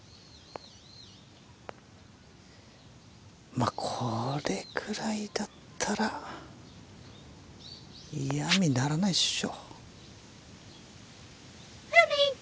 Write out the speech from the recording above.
まあこれぐらいだったら嫌みにならないっしょ。